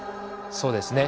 そうですね。